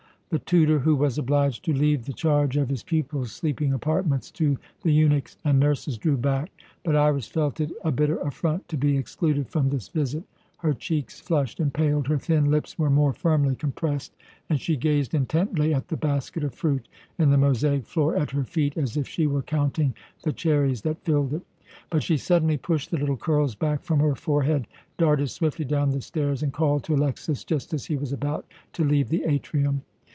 The tutor, who was obliged to leave the charge of his pupils' sleeping apartments to the eunuchs and nurses, drew back, but Iras felt it a bitter affront to be excluded from this visit. Her cheeks flushed and paled; her thin lips were more firmly compressed, and she gazed intently at the basket of fruit in the mosaic floor at her feet as if she were counting the cherries that filled it. But she suddenly pushed the little curls back from her forehead, darted swiftly down the stairs, and called to Alexas just as he was about to leave the atrium.